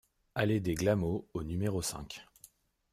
Allée des Glamots au numéro cinq